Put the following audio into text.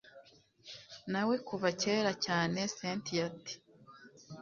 nawe kuva kera cyane cyntia ati